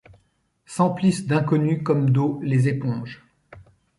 S’emplissent d’inconnu comme d’eau les éponges ;